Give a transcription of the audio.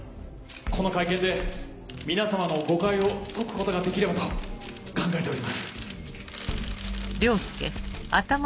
この会見で皆様の誤解を解くことができればと考えております。